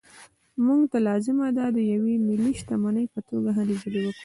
موږ ته لازمه ده د یوې ملي شتمنۍ په توګه هلې ځلې وکړو.